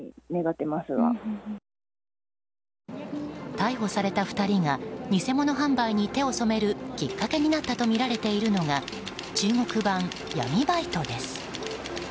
逮捕された２人が偽物販売に手を染めるきっかけになったとみられるのが中国版闇バイトです。